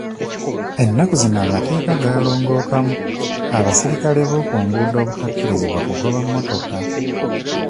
Ennaku zino amateeka gaalongookamu abasirikale bookunguudo obutakkirizibwa kugoba mmotoka.